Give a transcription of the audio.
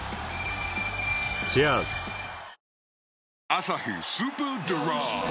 「アサヒスーパードライ」